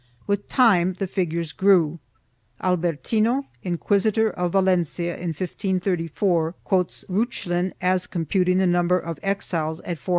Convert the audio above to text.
2 With time the figures grew. Albertino, Inquisitor of Valen cia, in 1534, quotes Reuchlin as computing the number of exiles at 420,000.